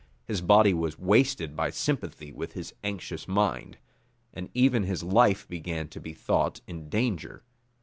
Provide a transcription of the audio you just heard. His body was wasted by sympathy with his anxious mind; and even his life began to be thought in danger.